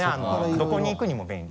どこに行くにも便利。